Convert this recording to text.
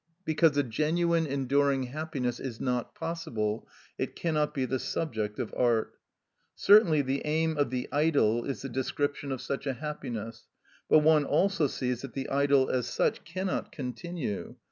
Because a genuine enduring happiness is not possible, it cannot be the subject of art. Certainly the aim of the idyll is the description of such a happiness, but one also sees that the idyll as such cannot continue.